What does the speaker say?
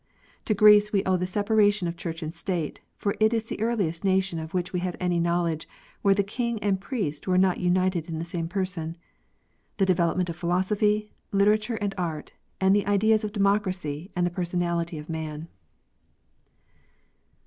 To Greece we owe the separation of church and state—for it is the earliest nation of which we have any knowledge where the king and priest were not united in the same person,—the development of philosophy, literature and art, and the ideas of democracy and the personality of man.